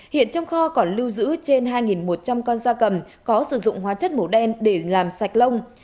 hiện trong kho còn lưu giữ trên hai một trăm linh con da cầm có sử dụng hóa chất màu đen để làm sạch lông